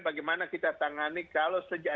bagaimana kita tangani kalau sejak